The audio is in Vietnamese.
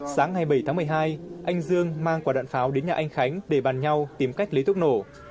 sáng ngày bảy tháng một mươi hai anh dương mang quả đạn pháo đến nhà anh khánh để bàn nhau tìm cách lấy thuốc nổ